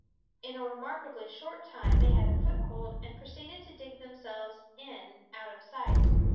In a remarkably short time they had a foothold and proceeded to dig themselves in out of sight.